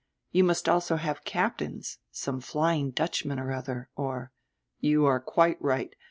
You must also have captains, some flying Dutchman or other, or— " "You are quite right.